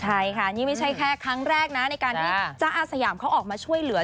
ใช่ค่ะนี่ไม่ใช่แค่ครั้งแรกนะในการที่จ๊ะอาสยามเขาออกมาช่วยเหลือ